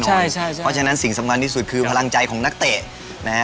เพราะฉะนั้นสิ่งสำคัญที่สุดคือพลังใจของนักเตะนะฮะ